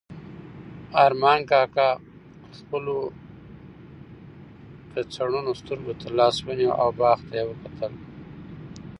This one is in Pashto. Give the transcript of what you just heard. ارمان کاکا خپلو کڅوړنو سترګو ته لاس ونیو او باغ ته یې وکتل.